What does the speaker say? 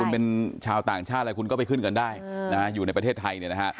คุณเป็นชาวต่างชาติอะไรคุณก็ไปขึ้นเงินได้อยู่ในประเทศไทยเนี่ยนะฮะ